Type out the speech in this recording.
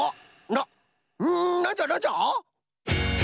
ななんじゃなんじゃ！？